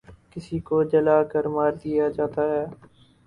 کسی کو جلا کر مار دیا جاتا ہے